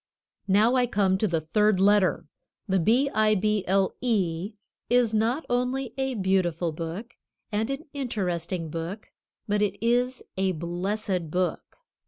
Now, I come to the third letter. The B I B L E is not only a Beautiful book, and an Interesting book, but it is a Blessed book.